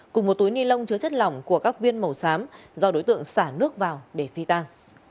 cùng một túi ni lông chứa chất lỏng của các viên màu xám do đối tượng xả nước vào để phi tang